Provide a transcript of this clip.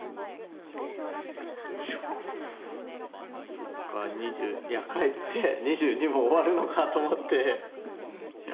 そっかいや描いてて２２も終わるのかと思って。